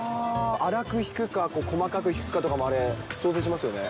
粗くひくか、細かくひくかとかも、あれ、調整しますよね。